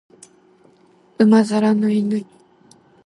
馬面の犬